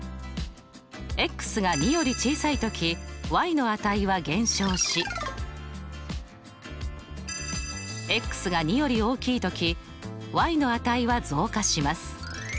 が２より小さいときの値は減少しが２より大きいときの値は増加します。